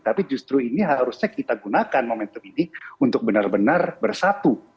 tapi justru ini harusnya kita gunakan momentum ini untuk benar benar bersatu